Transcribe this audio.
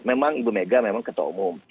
memang ibu mega memang ketua umum